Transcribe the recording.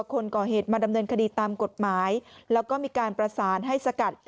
คนก่อเหตุมาดำเนินคดีตามกฎหมายแล้วก็มีการประสานให้สกัด